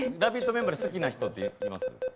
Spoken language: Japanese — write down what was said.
メンバーで好きな人っています？